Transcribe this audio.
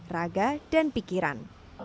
raga dan pikiran